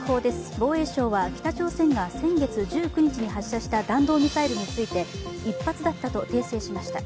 防衛省は北朝鮮が先月１９日発射した弾道ミサイルについて１発だったと訂正しました。